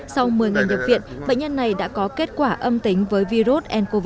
sau một mươi ngày nhập viện bệnh nhân này đã có kết quả âm tính với virus ncov